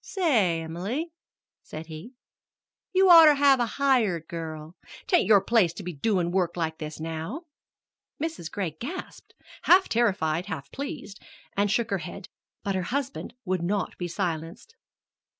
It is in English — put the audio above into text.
"Say, Emily," said he, "you'd oughter have a hired girl. 'T ain't your place to be doin' work like this now." Mrs. Gray gasped half terrified, half pleased and shook her head; but her husband was not to be silenced.